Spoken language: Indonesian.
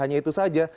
hanya itu saja